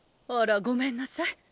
あらごめんなさい。